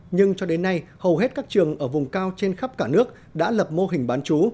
nhưng cho đến nay hầu hết các trường ở vùng cao trên khắp cả nước đã lập mô hình bán chú